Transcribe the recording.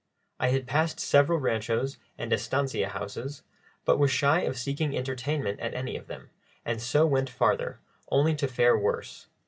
I had passed several ranchos and estancia houses, but was shy of seeking entertainment at any of them, and so went farther, only to fare worse.